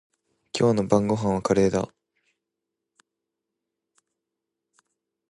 今日の晩ごはんはカレーだ。